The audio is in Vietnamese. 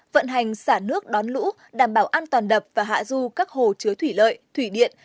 vận hành xả nước đón lũ đảm bảo an toàn đập và hạ du các hồ chứa thủy lợi thủy điện